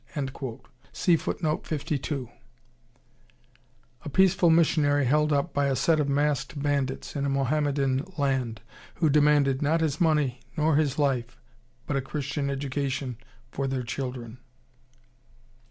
A peaceful missionary held up by a set of masked bandits in a Mohammedan land, who demanded, not his money nor his life, but a Christian education for their children!